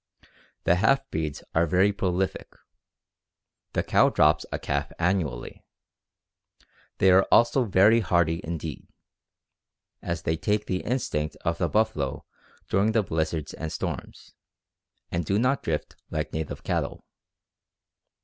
The half breeds are very prolific. The cows drop a calf annually. They are also very hardy indeed, as they take the instinct of the buffalo during the blizzards and storms, and do not drift like native cattle.